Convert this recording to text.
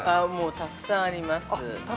◆たくさんあります。